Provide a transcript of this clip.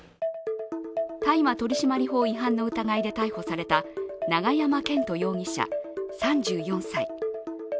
大麻取締法違反の疑いで逮捕された永山絢斗容疑者、３４歳。